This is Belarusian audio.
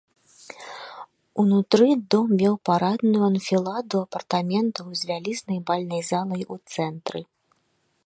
Унутры дом меў парадную анфіладу апартаментаў з вялізнай бальнай залай ў цэнтры.